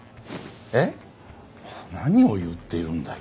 えっ？何を言っているんだい。